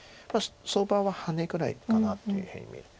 相場はハネぐらいかなというふうに。